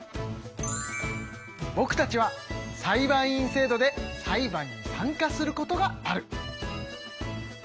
ぼくたちは裁判員制度で裁判に参加することがある。